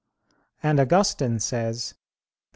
And Augustine says (De Civ.